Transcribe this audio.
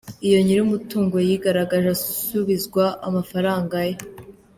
Iyo nyir’umutungo yigaragaje asubizwa amafaranga ye.